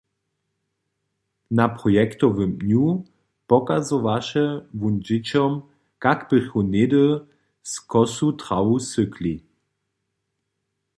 Na projektowym dnju pokazowaše wón dźěćom, kak běchu něhdy z kosu trawu sykli.